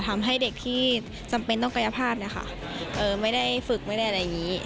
ทำให้เด็กที่จำเป็นต้องกายภาพนะคะไม่ได้ฝึกไม่ได้อะไรอย่างนี้